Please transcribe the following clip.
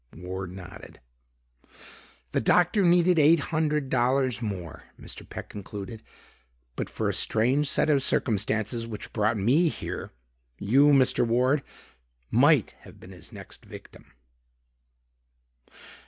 Ward nodded. "The doctor needed eight hundred dollars more," Mr. Peck concluded. "But for a strange set of circumstances which brought me here, you, Mr. Ward, might have been his next victim."